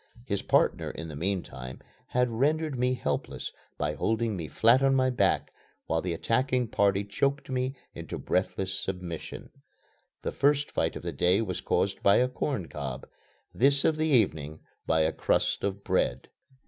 His partner, in the meantime, had rendered me helpless by holding me flat on my back while the attacking party choked me into breathless submission. The first fight of the day was caused by a corn cob; this of the evening by a crust of bread.